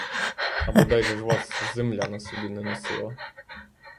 А бодай же ж вас земля на собі не носила!